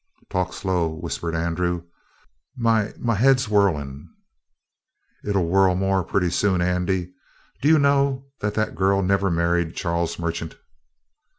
"Talk slow," whispered Andrew. "My my head's whirling." "It'll whirl more, pretty soon. Andy, do you know that the girl never married Charles Merchant?"